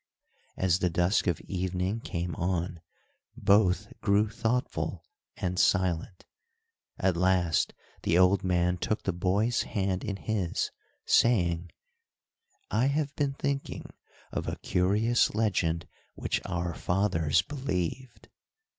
As the dusk of evening came on, both grew thoughtful and silent; at last the old man took the boy's hand in his, saying: "I have been thinking of a curious legend which our fathers believed."